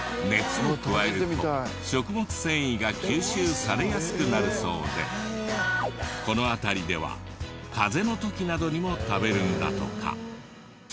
熱を加えると食物繊維が吸収されやすくなるそうでこの辺りでは風邪の時などにも食べるんだとか。